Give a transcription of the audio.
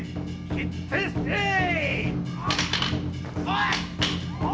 斬って捨てい！」